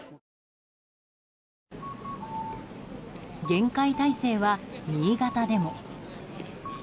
厳戒態勢は新潟でも。